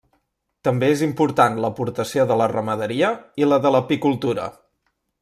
També és important l'aportació de la ramaderia i la de l'apicultura.